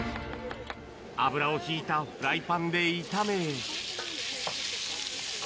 油をひいたフライパンで炒め。